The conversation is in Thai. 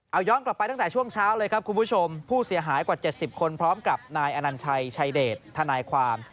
เอาย้อนกลับไปตั้งแต่ช่วงเช้าเลยครับคุณผู้ชมผู้เสียหายกว่า๗๐คนพร้อมกับนายอนัญชัยชายเดชทนายความ